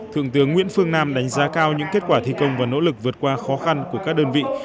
thượng tướng nguyễn phương nam đánh giá cao những kết quả thi công và nỗ lực vượt qua khó khăn của các đơn vị